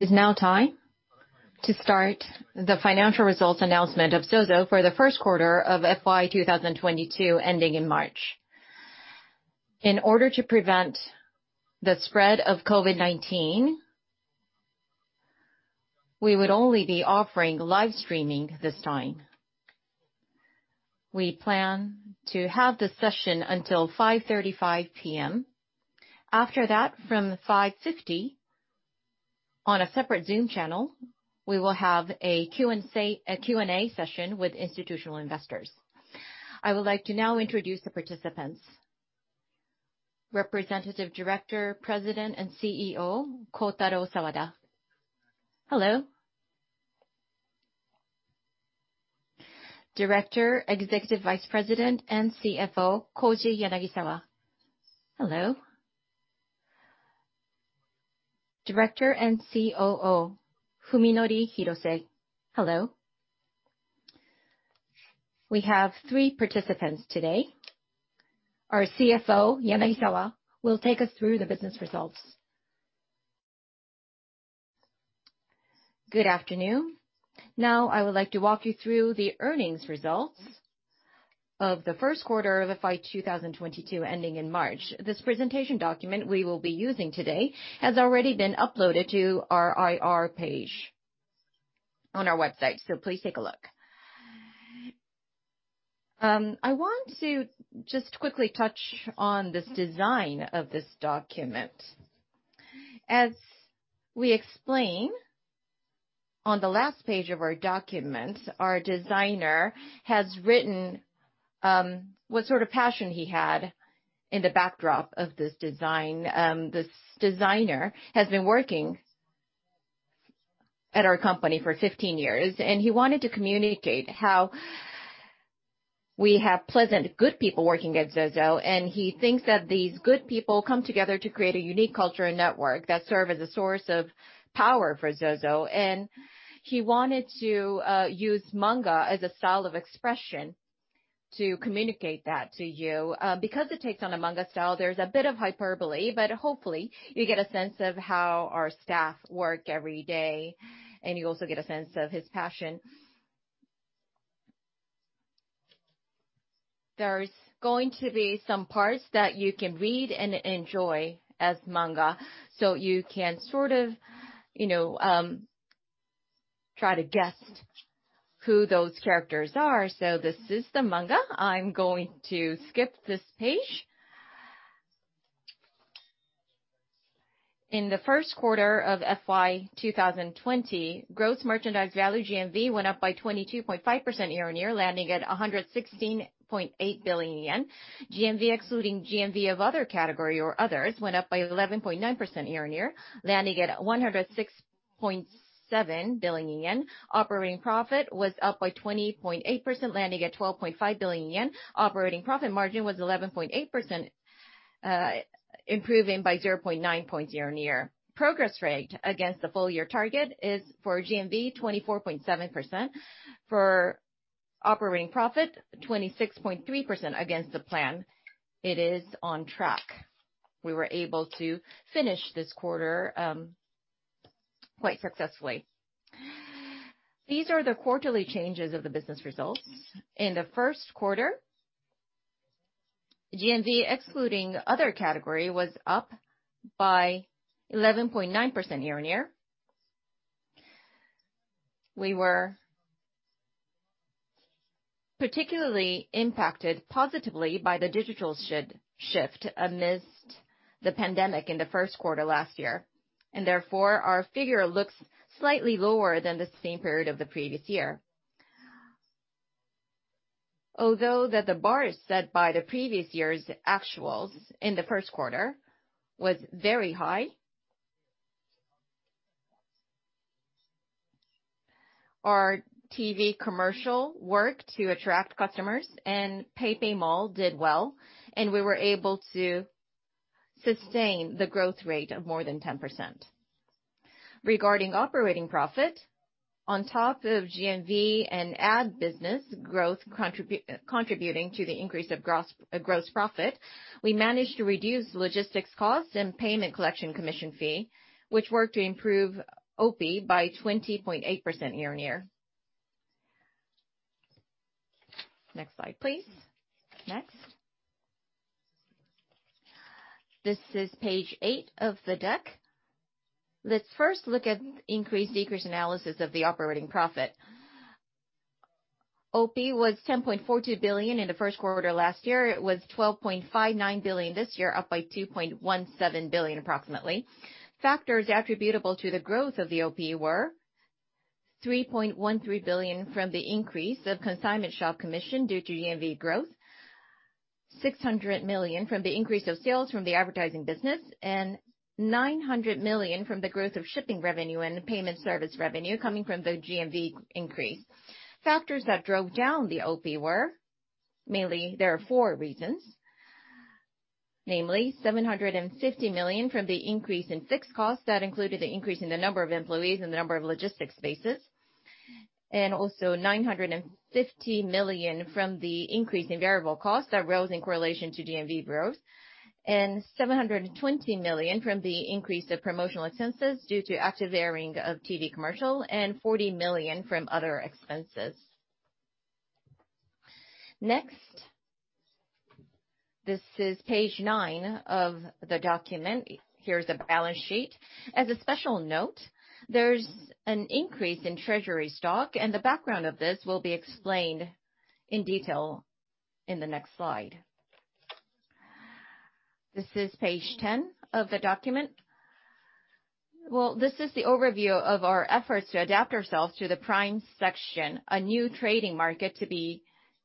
It's now time to start the financial results announcement of ZOZO for the first quarter of FY 2022, ending in March. In order to prevent the spread of COVID-19, we would only be offering live streaming this time. We plan to have the session until 5:35 P.M. After that, from 5:50 P.M., on a separate Zoom channel, we will have a Q&A session with institutional investors. I would like to now introduce the participants. Representative Director, President, and CEO, Kotaro Sawada. Hello. Director, Executive Vice President, and CFO, Koji Yanagisawa. Hello. Director and COO, Fuminori Hirose. Hello. We have three participants today. Our CFO, Yanagisawa, will take us through the business results. Good afternoon. Now I would like to walk you through the earnings results of the first quarter of FY 2022, ending in March. This presentation document we will be using today has already been uploaded to our IR page on our website, so please take a look. I want to just quickly touch on this design of this document. As we explain on the last page of our document, our designer has written what sort of passion he had in the backdrop of this design. This designer has been working at our company for 15 years, and he wanted to communicate how we have pleasant, good people working at ZOZO, and he thinks that these good people come together to create a unique culture and network that serve as a source of power for ZOZO. He wanted to use manga as a style of expression to communicate that to you. It takes on a manga style, there's a bit of hyperbole, but hopefully you get a sense of how our staff work every day, and you also get a sense of his passion. There's going to be some parts that you can read and enjoy as manga, you can sort of try to guess who those characters are. This is the manga. I'm going to skip this page. In the first quarter of FY 2020, gross merchandise value, GMV, went up by 22.5% year-on-year, landing at 116.8 billion yen. GMV, excluding GMV of other category or others, went up by 11.9% year-on-year, landing at JPY 106.7 billion. Operating profit was up by 20.8%, landing at 12.5 billion yen. Operating profit margin was 11.8%, improving by 0.9 points year-on-year. Progress rate against the full-year target is, for GMV, 24.7%. For operating profit, 26.3% against the plan. It is on track. We were able to finish this quarter quite successfully. These are the quarterly changes of the business results. In the first quarter, GMV, excluding other category, was up by 11.9% year-on-year. We were particularly impacted positively by the digital shift amidst the pandemic in the first quarter last year, and therefore, our figure looks slightly lower than the same period of the previous year. Although the bar is set by the previous year's actuals in the first quarter was very high, our TV commercial worked to attract customers, and PayPay Mall did well, and we were able to sustain the growth rate of more than 10%. Regarding operating profit, on top of GMV and ad business growth contributing to the increase of gross profit, we managed to reduce logistics costs and payment collection commission fee, which worked to improve OP by 20.8% year-on-year. Next slide, please. Next. This is page 8 of the deck. Let's first look at increase/decrease analysis of the operating profit. OP was 10.42 billion in the 1st quarter FY 2021. It was 12.59 billion FY 2022, up by 2.17 billion approximately. Factors attributable to the growth of the OP were 3.13 billion from the increase of consignment shop commission due to GMV growth, 600 million from the increase of sales from the advertising business, and 900 million from the growth of shipping revenue and payment service revenue coming from the GMV increase. Factors that drove down the OP were, mainly, there are four reasons. Namely, 750 million from the increase in fixed costs that included the increase in the number of employees and the number of logistics spaces, and also 950 million from the increase in variable costs that rose in correlation to GMV growth, and 720 million from the increase of promotional expenses due to active airing of TV commercial, and 40 million from other expenses. Next. This is page 9 of the document. Here is the balance sheet. As a special note, there's an increase in treasury stock, and the background of this will be explained in detail in the next slide. This is page 10 of the document. This is the overview of our efforts to adapt ourselves to the Prime Market, a new trading market to be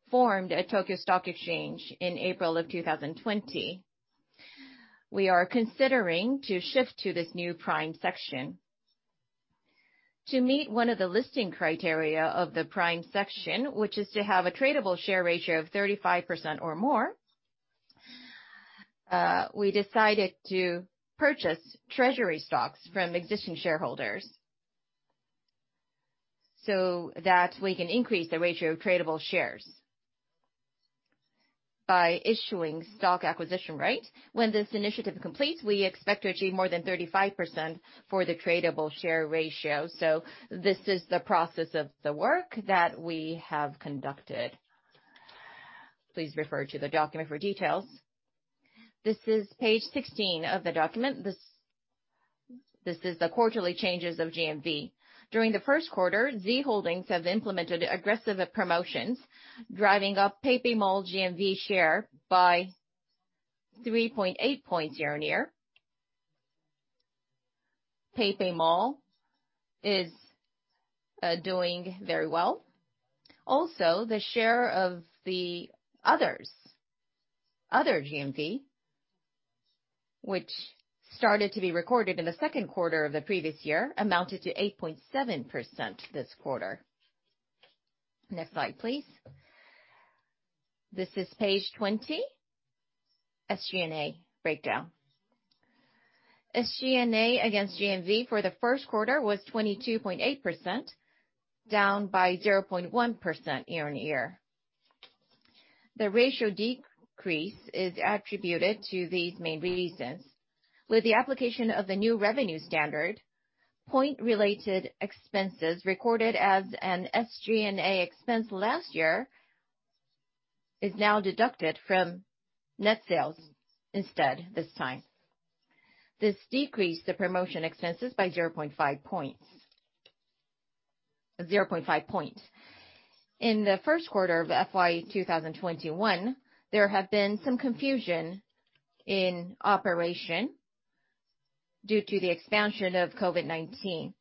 formed at Tokyo Stock Exchange in April of 2020. We are considering to shift to this new Prime Market. To meet one of the listing criteria of the Prime Market, which is to have a tradable share ratio of 35% or more, we decided to purchase treasury stocks from existing shareholders so that we can increase the ratio of tradable shares by issuing stock acquisition right. When this initiative completes, we expect to achieve more than 35% for the tradable share ratio. This is the process of the work that we have conducted. Please refer to the document for details. This is page 16 of the document. This is the quarterly changes of GMV. During the 1st quarter, Z Holdings have implemented aggressive promotions, driving up PayPay Mall GMV share by 3.8 points year-over-year. PayPay Mall is doing very well. Also, the share of the other GMV, which started to be recorded in the 2nd quarter of the previous year, amounted to 8.7% this quarter. Next slide, please. This is page 20, SG&A breakdown. SG&A against GMV for the first quarter was 22.8%, down by 0.1% year-on-year. The ratio decrease is attributed to these main reasons. With the application of the new revenue standard, point-related expenses recorded as an SG&A expense last year is now deducted from net sales instead this time. This decreased the promotion expenses by 0.5 points. In the first quarter of FY 2021, there have been some confusion in operation due to the expansion of COVID-19.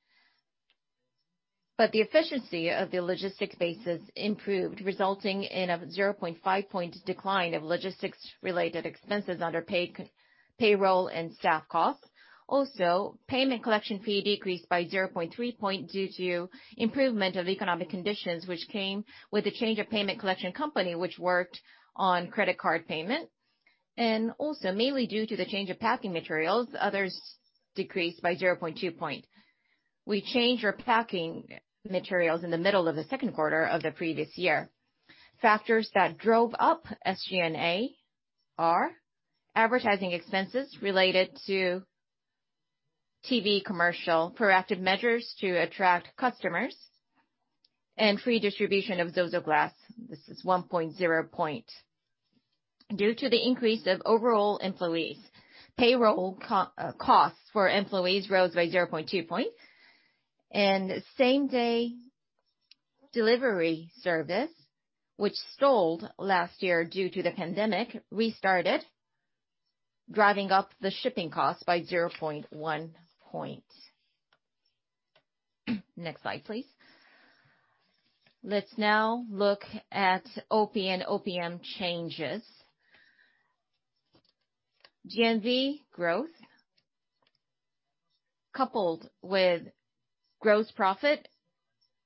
The efficiency of the logistics bases improved, resulting in a 0.5 point decline of logistics-related expenses under payroll and staff costs. Payment collection fee decreased by 0.3 point due to improvement of economic conditions, which came with a change of payment collection company which worked on credit card payment. Mainly due to the change of packing materials, others decreased by 0.2 point. We changed our packing materials in the middle of the second quarter of the previous year. Factors that drove up SG&A are advertising expenses related to TV commercial, proactive measures to attract customers, and free distribution of ZOZOGLASS. This is 1.0 point. Due to the increase of overall employees, payroll costs for employees rose by 0.2 points. Same-day delivery service, which stalled last year due to the pandemic, restarted, driving up the shipping cost by 0.1 point. Next slide, please. Let's now look at OP and OPM changes. GMV growth, coupled with gross profit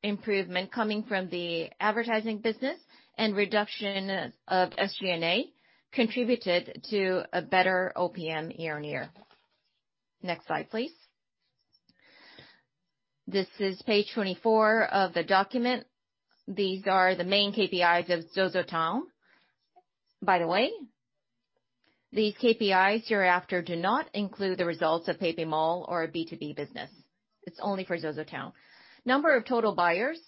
improvement coming from the advertising business and reduction of SG&A, contributed to a better OPM year-on-year. Next slide, please. This is page 24 of the document. These are the main KPIs of ZOZOTOWN. By the way, these KPIs hereafter do not include the results of PayPay Mall or B2B business. It's only for ZOZOTOWN. Number of total buyers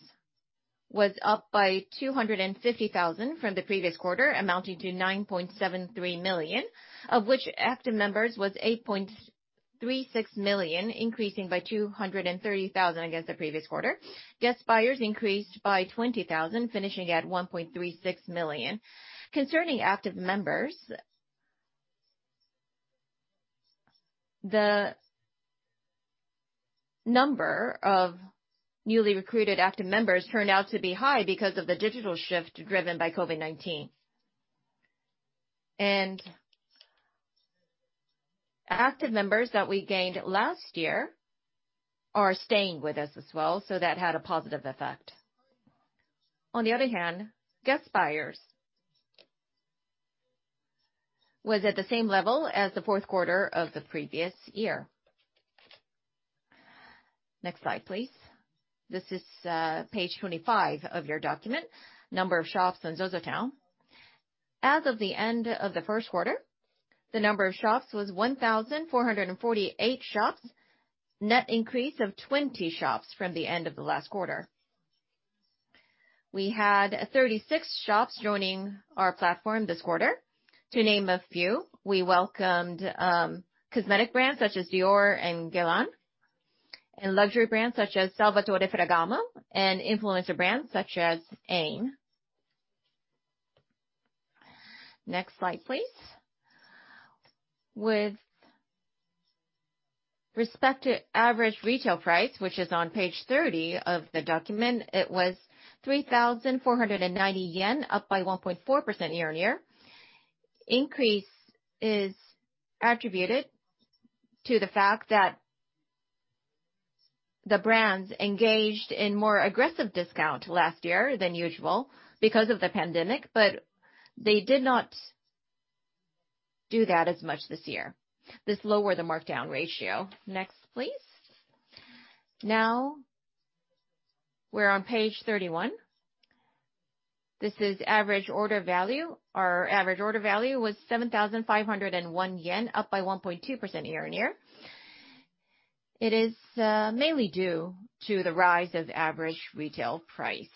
was up by 250,000 from the previous quarter, amounting to 9.73 million, of which active members was 8.36 million, increasing by 230,000 against the previous quarter. Guest buyers increased by 20,000, finishing at 1.36 million. Concerning active members, the number of newly recruited active members turned out to be high because of the digital shift driven by COVID-19. Active members that we gained last year are staying with us as well. That had a positive effect. On the other hand, guest buyers was at the same level as the fourth quarter of the previous year. Next slide, please. This is page 25 of your document, number of shops on ZOZOTOWN. As of the end of the first quarter, the number of shops was 1,448 shops, net increase of 20 shops from the end of the last quarter. We had 36 shops joining our platform this quarter. To name a few, we welcomed cosmetic brands such as Dior and Guerlain, luxury brands such as Salvatore Ferragamo, influencer brands such as eim. Next slide, please. With respect to average retail price, which is on page 30 of the document, it was 3,490 yen, up by 1.4% year-on-year. Increase is attributed to the fact that the brands engaged in more aggressive discount last year than usual because of the pandemic, they did not do that as much this year. This lowered the markdown ratio. Next, please. We're on page 31. This is average order value. Our average order value was 7,501 yen, up by 1.2% year-on-year. It is mainly due to the rise of average retail price.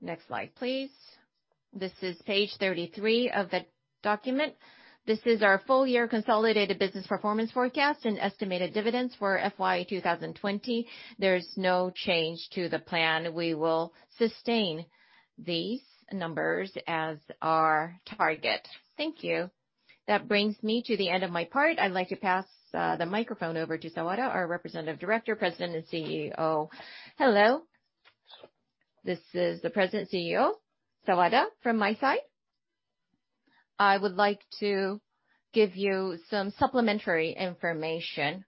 Next slide, please. This is page 33 of the document. This is our full-year consolidated business performance forecast and estimated dividends for FY 2020. There's no change to the plan. We will sustain these numbers as our target. Thank you. That brings me to the end of my part. I'd like to pass the microphone over to Sawada, our Representative Director, President, and CEO. Hello. This is the President and CEO, Sawada from my side. I would like to give you some supplementary information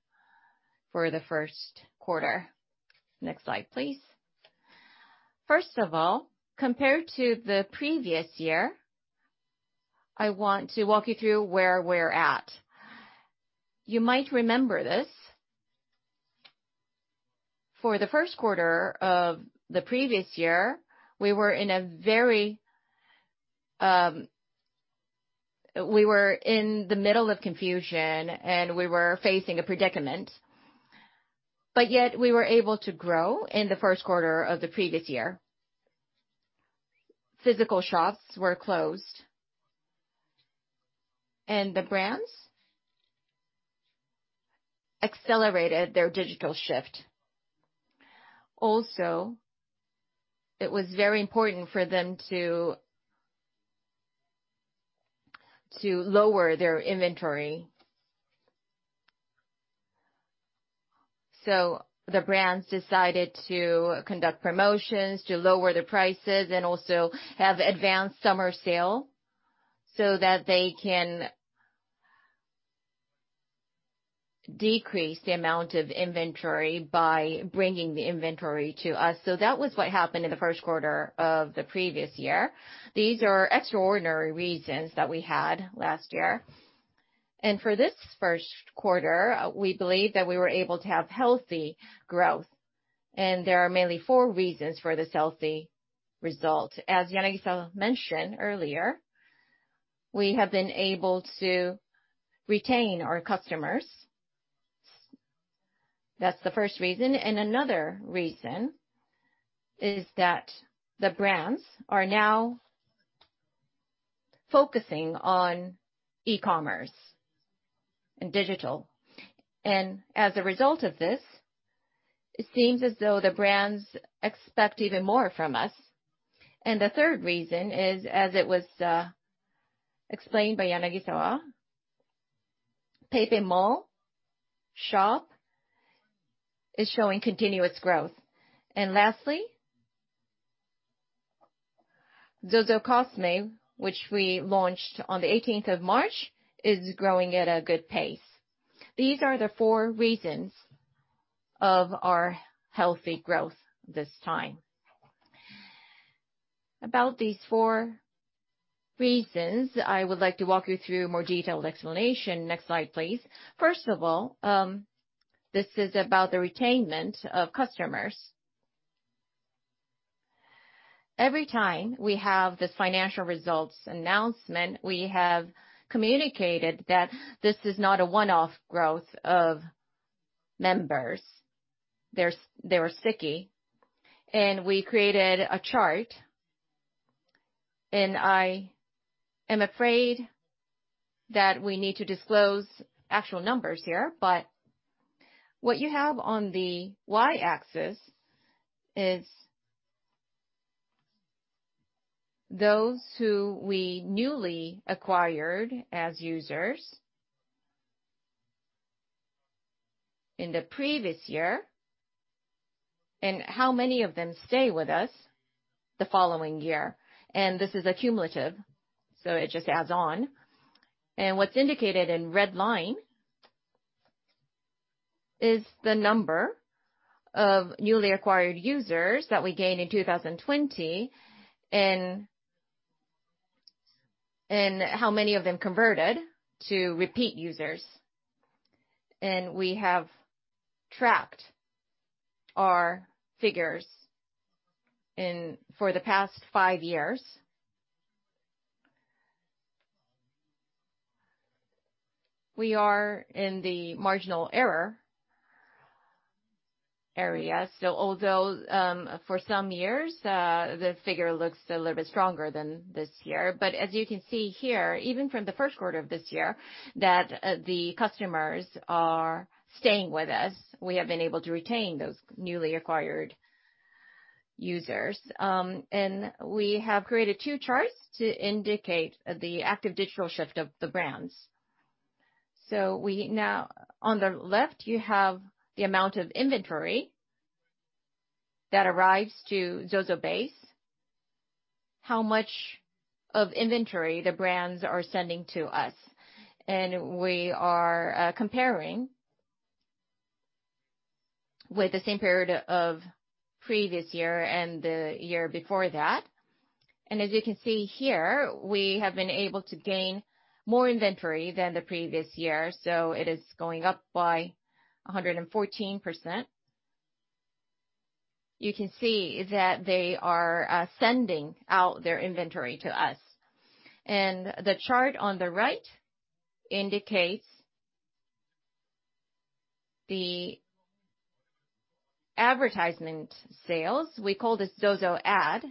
for the first quarter. Next slide, please. First of all, compared to the previous year, I want to walk you through where we're at. You might remember this. For the first quarter of the previous year, we were in the middle of confusion and we were facing a predicament, but yet we were able to grow in the first quarter of the previous year. Physical shops were closed, and the brands accelerated their digital shift. It was very important for them to lower their inventory. The brands decided to conduct promotions to lower the prices and also have advanced summer sale so that they can decrease the amount of inventory by bringing the inventory to us. That was what happened in the first quarter of the previous year. These are extraordinary reasons that we had last year. For this first quarter, we believe that we were able to have healthy growth. There are mainly four reasons for this healthy result. As Yanagisawa mentioned earlier, we have been able to retain our customers. That's the first reason. Another reason is that the brands are now focusing on e-commerce and digital. As a result of this, it seems as though the brands expect even more from us. The third reason is, as it was explained by Yanagisawa, PayPay Mall shop is showing continuous growth. Lastly, ZOZOCOSME, which we launched on the 18th of March, is growing at a good pace. These are the four reasons of our healthy growth this time. About these four reasons, I would like to walk you through a more detailed explanation. Next slide, please. First of all, this is about the retainment of customers. Every time we have this financial results announcement, we have communicated that this is not a one-off growth of members. They were sticky. We created a chart, and I am afraid that we need to disclose actual numbers here. What you have on the Y-axis is those who we newly acquired as users in the previous year, and how many of them stay with us the following year. This is a cumulative, so it just adds on. What's indicated in red line is the number of newly acquired users that we gained in 2020, and how many of them converted to repeat users. We have tracked our figures for the past five years. We are in the marginal error area. Although for some years, the figure looks a little bit stronger than this year. As you can see here, even from the first quarter of this year, that the customers are staying with us. We have been able to retain those newly acquired users. We have created two charts to indicate the active digital shift of the brands. Now, on the left, you have the amount of inventory that arrives to ZOZOBASE, how much of inventory the brands are sending to us. We are comparing with the same period of previous year and the year before that. As you can see here, we have been able to gain more inventory than the previous year, so it is going up by 114%. You can see that they are sending out their inventory to us. The chart on the right indicates the advertisement sales. We call this ZOZOAD.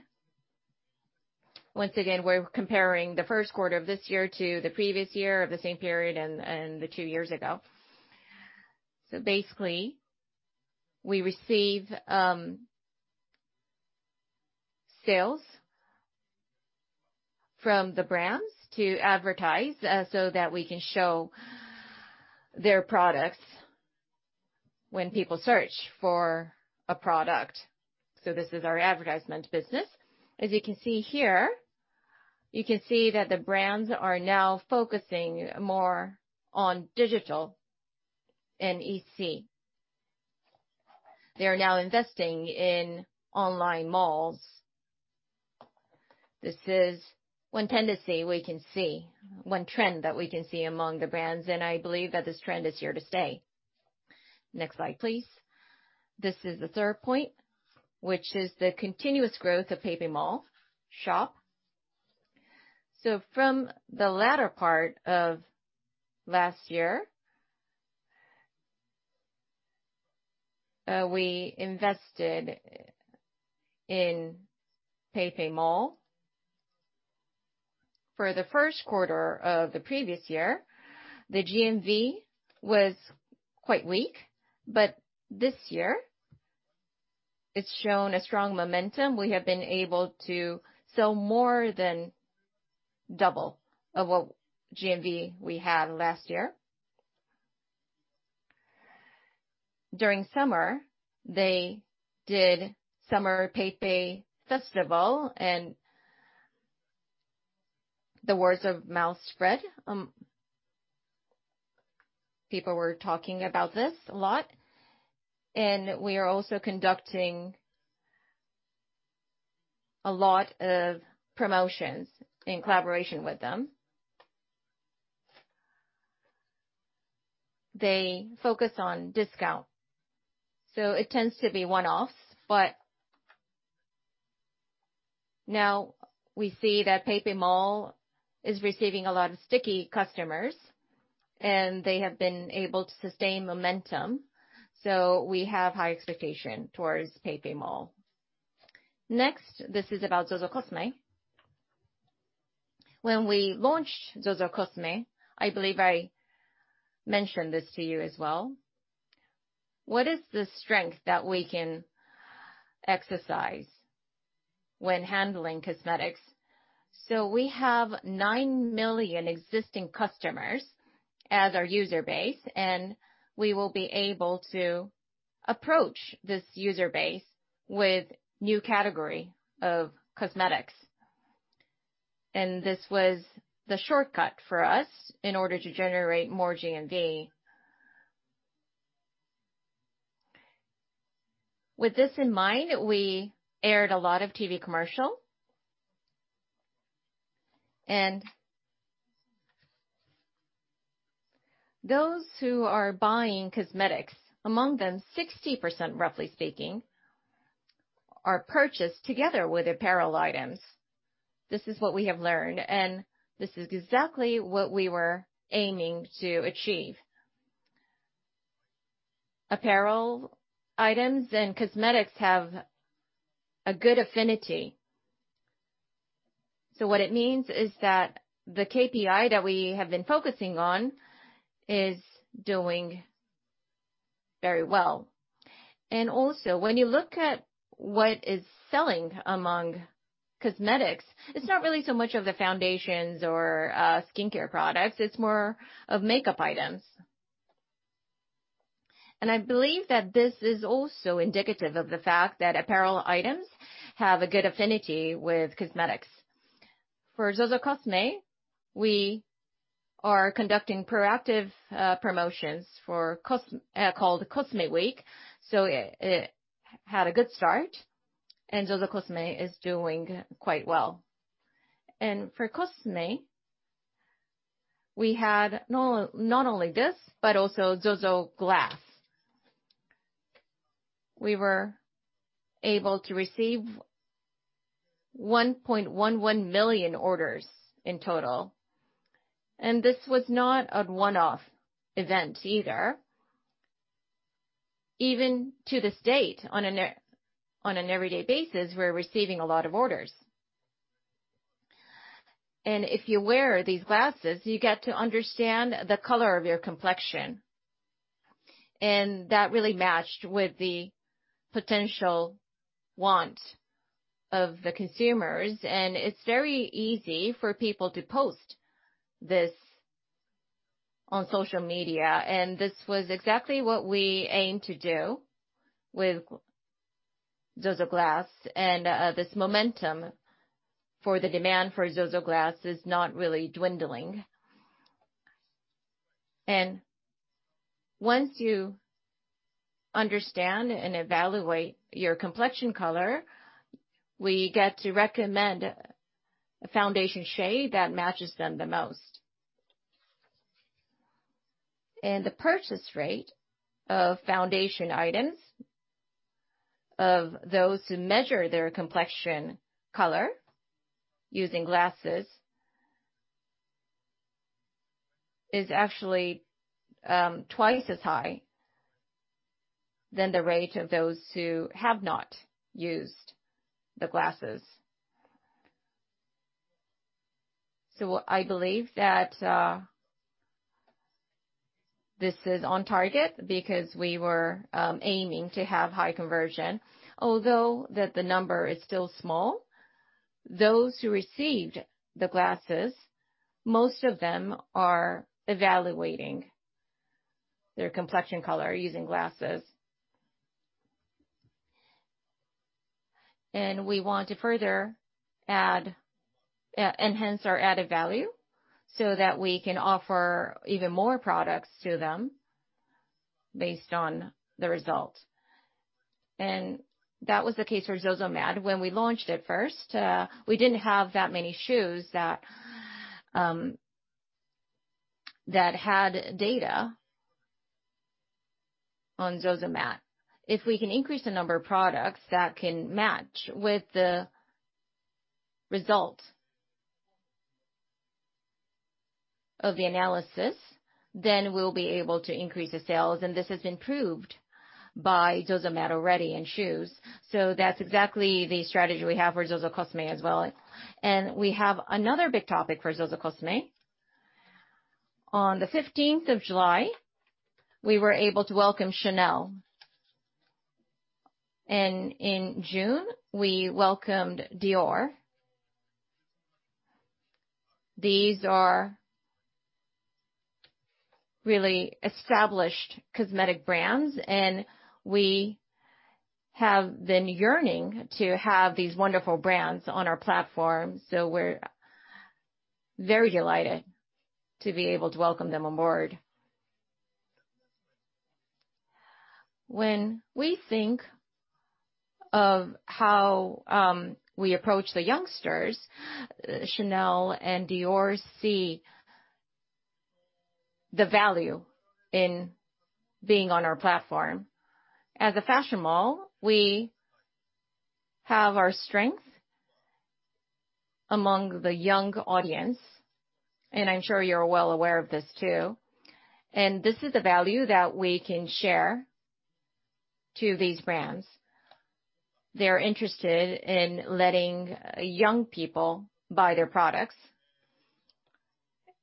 Once again, we're comparing the first quarter of this year to the previous year of the same period and the 2 years ago. Basically, we receive sales from the brands to advertise, so that we can show their products when people search for a product. This is our advertisement business. As you can see here, you can see that the brands are now focusing more on digital and EC. They are now investing in online malls. This is one tendency we can see. One trend that we can see among the brands. I believe that this trend is here to stay. Next slide, please. This is the third point, which is the continuous growth of PayPay Mall shop. From the latter part of last year, we invested in PayPay Mall. For the first quarter of the previous year, the GMV was quite weak. This year it's shown a strong momentum. We have been able to sell more than double of what GMV we had last year. During summer, they did Summer PayPay Matsuri. The word of mouth spread. People were talking about this a lot. We are also conducting a lot of promotions in collaboration with them. They focus on discount. It tends to be one-offs, but now we see that PayPay Mall is receiving a lot of sticky customers, and they have been able to sustain momentum. We have high expectation towards PayPay Mall. Next, this is about ZOZOCOSME. When we launched ZOZOCOSME, I believe I mentioned this to you as well. What is the strength that we can exercise when handling cosmetics? We have nine million existing customers as our user base, and we will be able to approach this user base with new category of cosmetics. This was the shortcut for us in order to generate more GMV. With this in mind, we aired a lot of TV commercial. Those who are buying cosmetics, among them, 60%, roughly speaking, are purchased together with apparel items. This is what we have learned, and this is exactly what we were aiming to achieve. Apparel items and cosmetics have a good affinity. What it means is that the KPI that we have been focusing on is doing very well. Also, when you look at what is selling among cosmetics, it's not really so much of the foundations or skincare products, it's more of makeup items. I believe that this is also indicative of the fact that apparel items have a good affinity with cosmetics. For ZOZOCOSME, we are conducting proactive promotions called COSME Week. It had a good start, and ZOZOCOSME is doing quite well. For COSME, we had not only this, but also ZOZOGLASS. We were able to receive 1.11 million orders in total, and this was not a one-off event either. Even to this date, on an everyday basis, we're receiving a lot of orders. If you wear these glasses, you get to understand the color of your complexion, and that really matched with the potential want of the consumers. It's very easy for people to post this on social media, and this was exactly what we aimed to do with ZOZOGLASS. This momentum for the demand for ZOZOGLASS is not really dwindling. Once you understand and evaluate your complexion color, we get to recommend a foundation shade that matches them the most. The purchase rate of foundation items of those who measure their complexion color using glasses is actually 2x as high than the rate of those who have not used the glasses. I believe that this is on target because we were aiming to have high conversion. The number is still small, those who received the ZOZOGLASS, most of them are evaluating their complexion color using ZOZOGLASS. We want to further enhance our added value so that we can offer even more products to them based on the result. That was the case for ZOZOMAT. When we launched it first, we didn't have that many shoes that had data on ZOZOMAT. We can increase the number of products that can match with the result of the analysis, then we'll be able to increase the sales, this has been proved by ZOZOMAT already in shoes. That's exactly the strategy we have for ZOZOCOSME as well. We have another big topic for ZOZOCOSME. On the 15th of July, we were able to welcome Chanel. In June, we welcomed Dior. These are really established cosmetic brands, and we have been yearning to have these wonderful brands on our platform. We're very delighted to be able to welcome them on board. When we think of how we approach the youngsters, Chanel and Dior see the value in being on our platform. As a fashion mall, we have our strength among the young audience, and I'm sure you're well aware of this too. This is the value that we can share to these brands. They're interested in letting young people buy their products.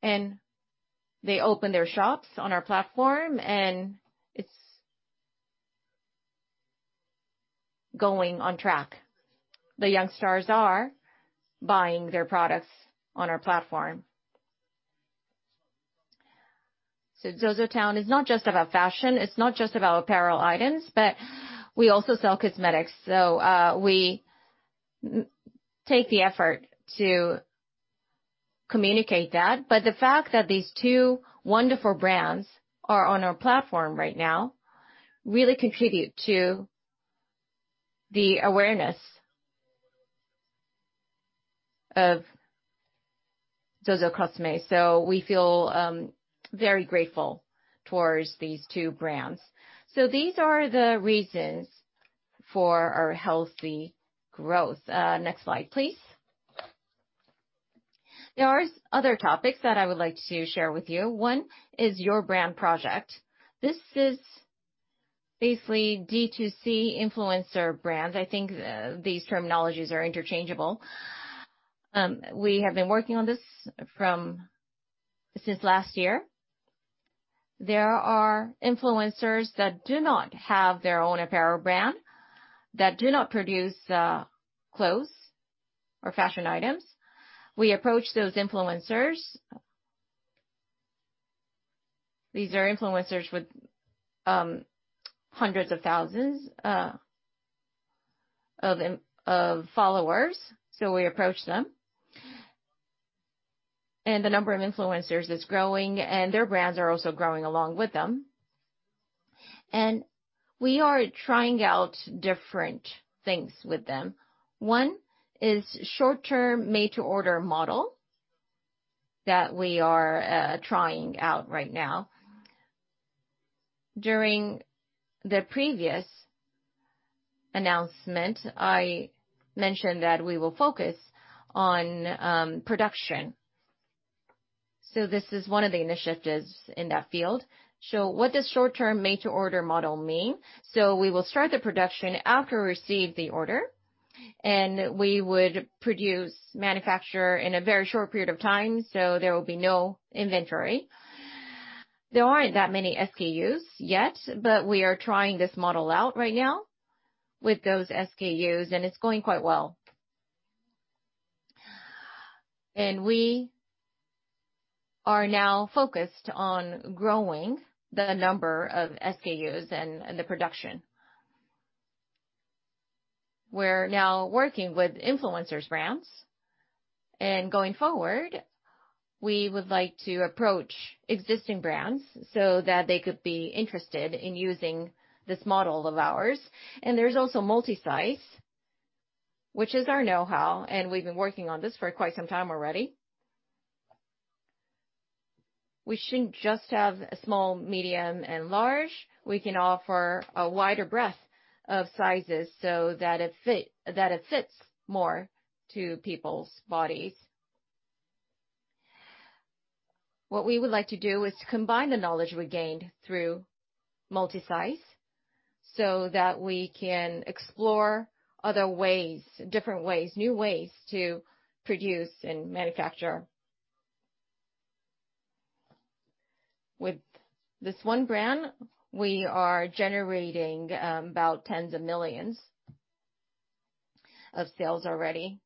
They open their shops on our platform, and it's going on track. The youngsters are buying their products on our platform. ZOZOTOWN is not just about fashion, it's not just about apparel items, but we also sell cosmetics. We take the effort to communicate that. The fact that these two wonderful brands are on our platform right now really contribute to the awareness of ZOZOCOSME. We feel very grateful towards these two brands. These are the reasons for our healthy growth. Next slide, please. There are other topics that I would like to share with you. One is Your Brand Project. This is basically D2C influencer brand. I think these terminologies are interchangeable. We have been working on this since last year. There are influencers that do not have their own apparel brand, that do not produce clothes or fashion items. We approach those influencers. These are influencers with hundreds of thousands of followers. We approach them. The number of influencers is growing, and their brands are also growing along with them. We are trying out different things with them. One is short-term made-to-order model that we are trying out right now. During the previous announcement, I mentioned that we will focus on production. This is one of the initiatives in that field. What does short-term made-to-order model mean? We will start the production after we receive the order, and we would produce, manufacture in a very short period of time, so there will be no inventory. There aren't that many SKUs yet, but we are trying this model out right now with those SKUs, and it's going quite well. We are now focused on growing the number of SKUs and the production. We're now working with influencers' brands. Going forward, we would like to approach existing brands so that they could be interested in using this model of ours. There's also multi-size, which is our know-how, and we've been working on this for quite some time already. We shouldn't just have a small, medium, and large. We can offer a wider breadth of sizes so that it fits more to people's bodies. What we would like to do is combine the knowledge we gained through multi-size so that we can explore other ways, different ways, new ways to produce and manufacture. With this one brand, we are generating about tens of millions of sales already.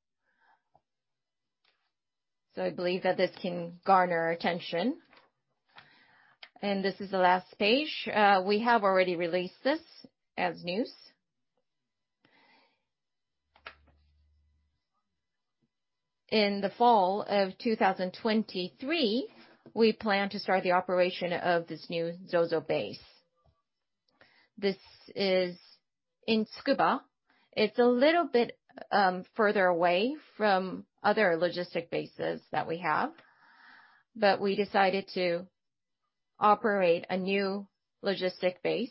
I believe that this can garner attention. This is the last page. We have already released this as news. In the fall of 2023, we plan to start the operation of this new ZOZOBASE. This is in Tsukuba. It's a little bit further away from other logistic bases that we have. We decided to operate a new logistic base.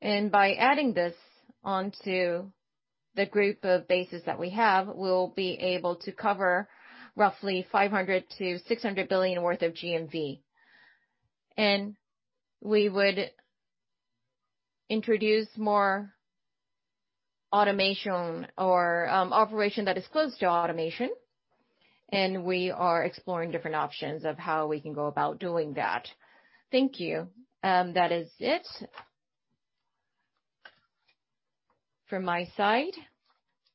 By adding this on to the group of bases that we have, we'll be able to cover roughly 500 billion-600 billion worth of GMV. We would introduce more automation or operation that is close to automation, and we are exploring different options of how we can go about doing that. Thank you. That is it from my side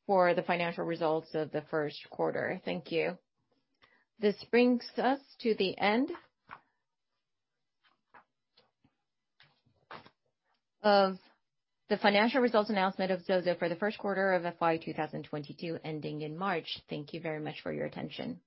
for the financial results of the first quarter. Thank you. This brings us to the end of the financial results announcement of ZOZO for the first quarter of FY 2022 ending in March. Thank you very much for your attention.